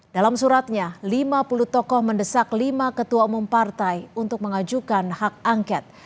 dalam suratnya lima puluh tokoh mendesak lima ketua umum partai untuk mengajukan hak angket